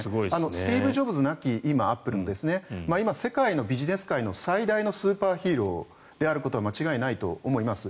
スティーブ・ジョブズ亡きアップルの今、世界のビジネス界の最大のスーパーヒーローであることは間違いないと思います。